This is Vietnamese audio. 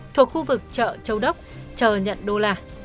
thuộc khu vực chợ châu đốc chờ nhận đô la